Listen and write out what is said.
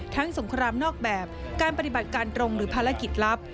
สงครามนอกแบบการปฏิบัติการตรงหรือภารกิจลับ